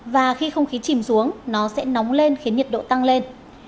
và khi không khí chìm xuống nó sẽ nóng lên khiến nhiệt độ tăng lên